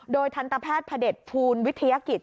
โดยทันตแพทย์พระเด็จภูลวิทยากิจ